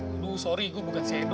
aduh sorry gue bukan si edo